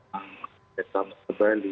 atau di jawa bali